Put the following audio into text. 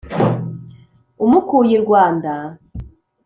umukuye i rwanda,